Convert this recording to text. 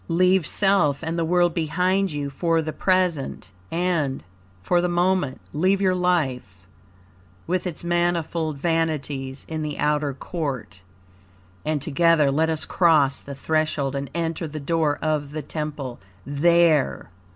Leave self and the world behind you for the present, and, for the moment, leave your life, with its manifold vanities, in the outer court, and together let us cross the threshold and enter the door of the Temple. There!